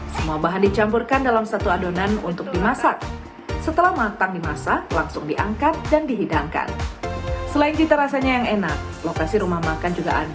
serai cabai hijau dan pindang